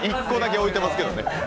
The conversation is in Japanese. １個だけ置いてますけどね。